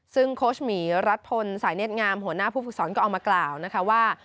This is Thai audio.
ซึ่งโค้ชหมีรัฐพลสายเน็ตงามหัวหน้าผู้ฝึกสอนก็เอามากล่าวนะคะว่า